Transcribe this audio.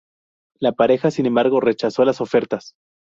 La pareja sin embargo rechazó las ofertas.